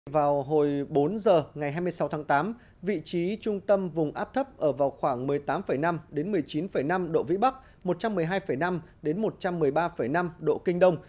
vào hồi bốn giờ ngày hai mươi sáu tháng tám vị trí trung tâm vùng áp thấp ở vào khoảng một mươi tám năm một mươi chín năm độ vĩ bắc một trăm một mươi hai năm một trăm một mươi ba năm độ kinh đông